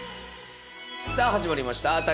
さぁ始まりました。